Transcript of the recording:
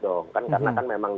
dong karena kan memang